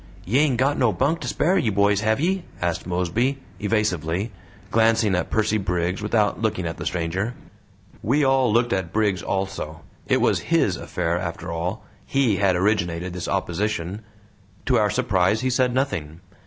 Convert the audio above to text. "Ye ain't got no bunk to spare, you boys, hev ye?" asked Mosby, evasively, glancing at Percy Briggs without looking at the stranger. We all looked at Briggs also; it was HIS affair after all HE had originated this opposition. To our surprise he said nothing.